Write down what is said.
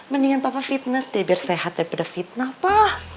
mendingan papa fitness deh biar sehat daripada fitnah pak